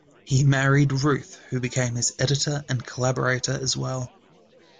He married Ruth, who became his editor and collaborator as well.